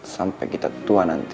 sampai kita tua nanti